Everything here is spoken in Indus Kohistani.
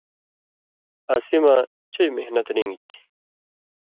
اسی مہ چئ محنت رِن٘گیۡ تھی۔